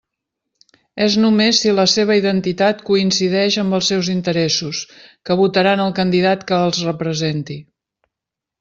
És només si la seva identitat coincideix amb els seus interessos, que votaran el candidat que els representi.